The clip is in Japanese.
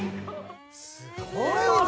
すごいね！